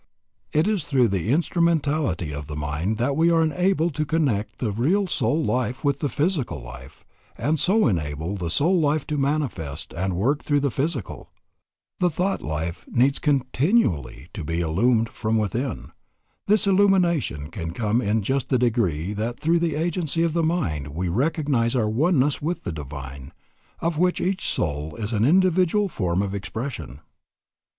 It is through the instrumentality of the mind that we are enabled to connect the real soul life with the physical life, and so enable the soul life to manifest and work through the physical. The thought life needs continually to be illumined from within. This illumination can come in just the degree that through the agency of the mind we recognize our oneness with the Divine, of which each soul is an individual form of expression.